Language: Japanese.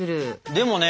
でもね